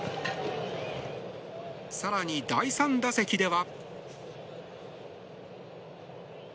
更に、第３打席では。